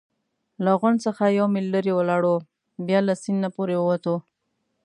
له غونډ څخه یو میل لرې ولاړو، بیا له سیند نه پورې ووتو.